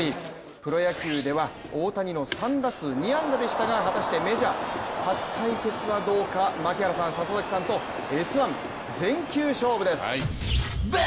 プロ野球では大谷の３打数２安打でしたが果たしてメジャー初対決はどうか、槙原さん、里崎さんと「Ｓ☆１」全球勝負です。